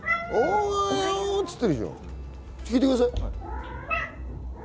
聞いてください。